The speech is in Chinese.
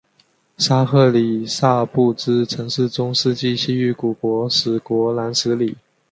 沙赫里萨布兹曾是中世纪西域古国史国南十里。